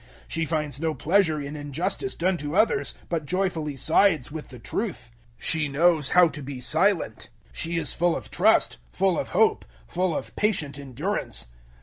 013:006 She finds no pleasure in injustice done to others, but joyfully sides with the truth. 013:007 She knows how to be silent. She is full of trust, full of hope, full of patient endurance.